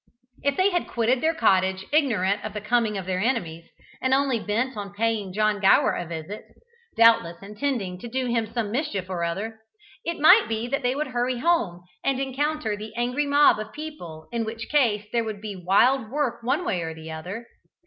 If they had quitted their cottage ignorant of the coming of their enemies, and only bent on paying John Gower a visit doubtless intending to do him some mischief or other; it might be that they would hurry home, and encounter the angry mob of people, in which case there would be wild work one way or the other.